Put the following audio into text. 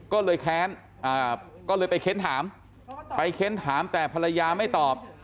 ก็เลยแค้นก็เลยไปเค้นถามไปเค้นถามแต่ภรรยาไม่ตอบ